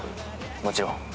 もちろん。